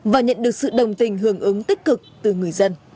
và nhận được sự đồng tình hưởng ứng tích cực từ người dân